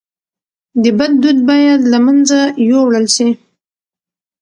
د بد دود باید له منځه یووړل سي.